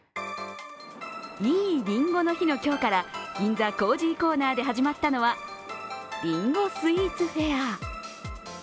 いいりんごの日の今日から銀座コージーコーナーで始まったのはりんごスイーツフェア。